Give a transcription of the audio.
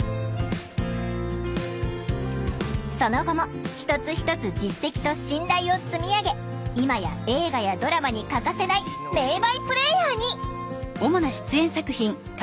その後も一つ一つ実績と信頼を積み上げ今や映画やドラマに欠かせない名バイプレーヤーに！